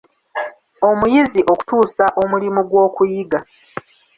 Omuyizi okutuusa omulimu gw'okuyiga.